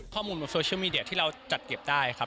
ข้อมูลโซเชียลมีเดียที่เราจัดเก็บได้ครับ